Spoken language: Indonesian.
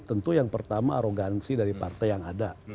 tentu yang pertama arogansi dari partai yang ada